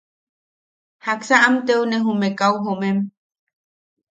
¿Jaksa am teune jume kau jomem?